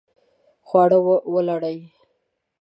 خواړه ولړئ